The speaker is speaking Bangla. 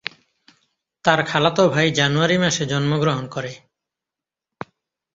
তার খালাতো ভাই জানুয়ারি মাসে জন্মগ্রহণ করে।